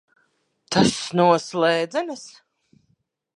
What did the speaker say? Tas no slēdzenes?